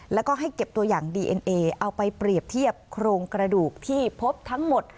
แล้วก็ให้เก็บตัวอย่างดีเอ็นเอเอาไปเปรียบเทียบโครงกระดูกที่พบทั้งหมด